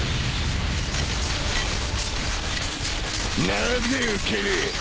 なぜ受ける。